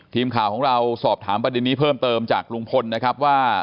ทีมข่าวของเราสอบถามประเด็นนี้เพิ่มเติมจากลุงพลนะครับว่า